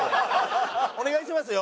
お願いしますよ。